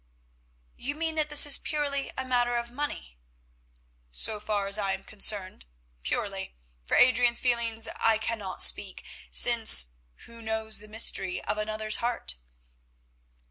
"You mean that this is purely a matter of money?" "So far as I am concerned, purely. For Adrian's feelings I cannot speak, since who knows the mystery of another's heart?"